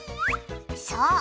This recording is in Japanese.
そう！